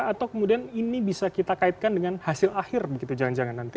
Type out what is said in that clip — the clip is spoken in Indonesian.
atau kemudian ini bisa kita kaitkan dengan hasil akhir begitu jangan jangan nanti